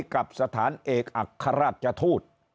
กับสถานเอกอัครราชทูต